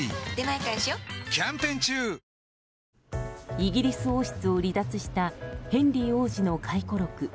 イギリス王室を離脱したヘンリー王子の回顧録。